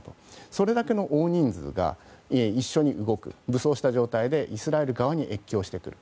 それだけの大人数が一緒に動く武装した状態でイスラエル側に越境してくる。